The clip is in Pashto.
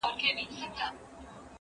موږ چي ول دوی به رانسي باره هغوی راغلل